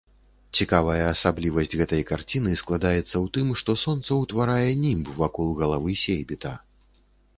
Цікавая асаблівасць гэтай карціны складаецца ў тым, што сонца ўтварае німб вакол галавы сейбіта.